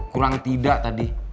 kurang tidak tadi